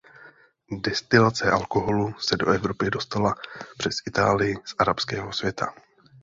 Destilace alkoholu se do Evropy dostala přes Itálii z arabského světa.